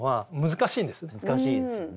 難しいですよね。